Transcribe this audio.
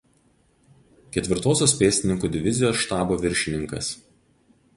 Ketvirtosios pėstininkų divizijos štabo viršininkas.